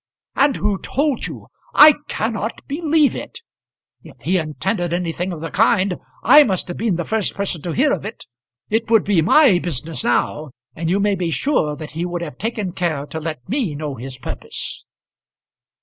"And who told you? I cannot believe it, If he intended anything of the kind I must have been the first person to hear of it. It would be my business now, and you may be sure that he would have taken care to let me know his purpose."